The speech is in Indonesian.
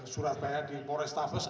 surabaya di forestavus